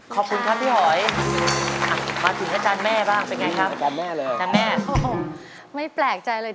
ขอบคุณครับพี่หอยมาถึงกับช่างแม่บ้างเป็นไงครับจันแม่ไม่แปลกใจเลย